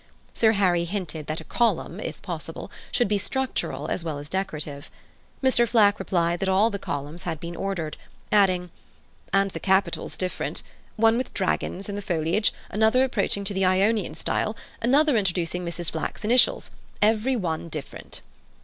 Sir Harry hinted that a column, if possible, should be structural as well as decorative. Mr. Flack replied that all the columns had been ordered, adding, "and all the capitals different—one with dragons in the foliage, another approaching to the Ionian style, another introducing Mrs. Flack's initials—every one different."